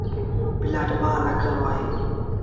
پلآٽ ٻآ لک رو اهي۔